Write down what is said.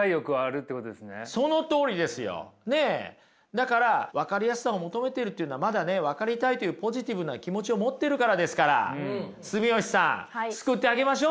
だから分かりやすさを求めてるっていうのはまだね分かりたいっていうポジティブな気持ちを持ってるからですから住吉さん救ってあげましょうよ。